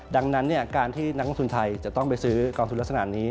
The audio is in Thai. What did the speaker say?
ดังนั้นการที่นักลงทุนไทยจะต้องไปซื้อกองทุนลักษณะนี้